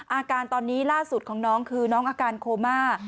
อาการตอนนี้ล่าสุดของน้องคือน้องอาการโคม่า